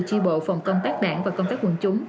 chi bộ phòng công tác đảng và công tác quân chúng